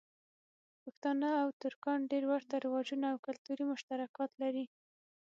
پښتانه او ترکان ډېر ورته رواجونه او کلتوری مشترکات لری.